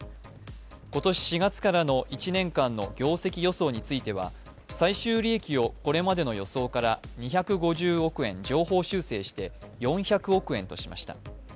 今年４月からの１年間の業績予想については最終利益をこれまでの予想から２５０億円上方修正して４００億円としました。